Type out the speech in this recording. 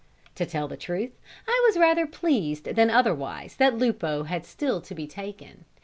To tell the truth, I was rather pleased than otherwise that Lupo had still to be taken.